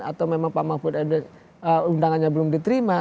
atau memang pak mahfud undangannya belum diterima